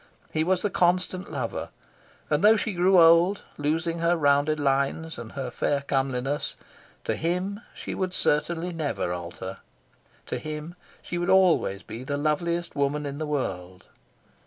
He was the constant lover, and though she grew old, losing her rounded lines and her fair comeliness, to him she would certainly never alter. To him she would always be the loveliest woman in the world.